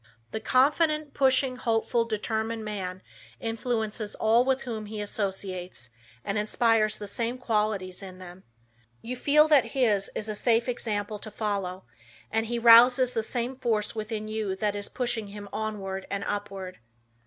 The confident, pushing, hopeful, determined man influences all with whom he associates, and inspires the same qualities in them. You feel that his is a safe example to follow and he rouses the same force within you that is pushing him onward and upward.